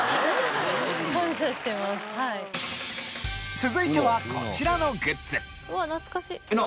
続いてはこちらのグッズ。